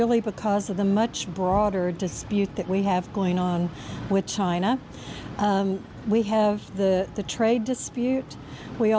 และปฏิบัติสำหรับการสบายการการการสิบเมื่อ